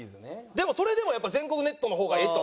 でもそれでもやっぱ全国ネットの方がええと。